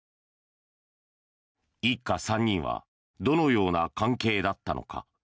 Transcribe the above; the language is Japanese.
一家３人はどのような関係だったのか。